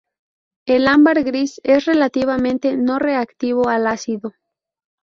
El ámbar gris es relativamente no reactivo al ácido.